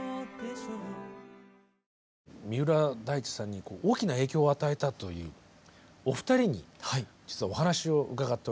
三浦大知さんに大きな影響を与えたというお二人に実はお話を伺っておりまして。